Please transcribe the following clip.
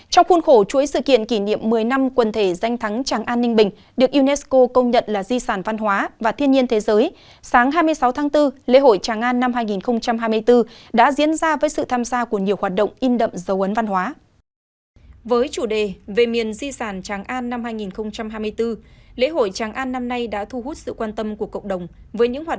trong khuôn khổ chuối sự kiện kỷ niệm một mươi năm quần thể danh thắng tràng an ninh bình được unesco công nhận là di sản văn hóa và thiên nhiên thế giới sáng hai mươi sáu tháng bốn lễ hội tràng an năm hai nghìn hai mươi bốn đã diễn ra với sự tham gia của nhiều hoạt động in đậm dấu ấn văn hóa